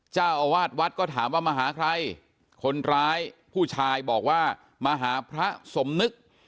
เจ้าอาวาสวัดก็ถามว่ามาหาใครคนร้ายผู้ชายบอกว่ามาหาพระสมนึก